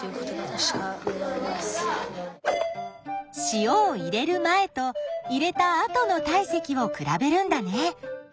塩を入れる前と入れた後の体積を比べるんだね。